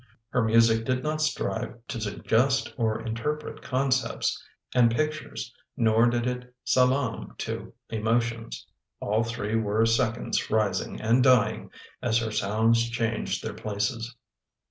Her music did not at rive to suggest or interpret concepts and pic tures nor did it salaam to emotions. All three were seconds rising and dying as her sounds changed their places.